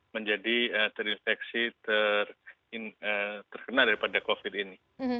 menjadi terinfeksi terkena daripada covid ini